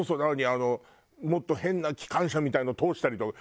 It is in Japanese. あのもっと変な機関車みたいの通したりとか。